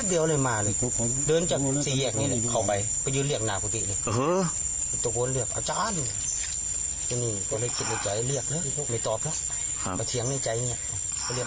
เรียกถึง๓ครั้งเพราะครั้งที่๓ไม่ตอบเด้นออกมาเพราะเดินออกมาจะลุกขึ้น